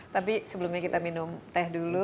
tapi sebelumnya kita minum teh dulu